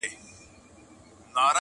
o دوې هندواڼې په يوه لاس نه اخيستل کېږي٫